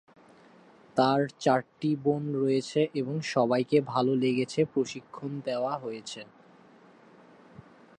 তার চারটি বোন রয়েছে এবং সবাইকে ভাল লেগেছে প্রশিক্ষণ দেওয়া হয়েছে।